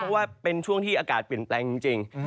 เพราะว่าเป็นช่วงที่อากาศเปลี่ยนแปลงจริง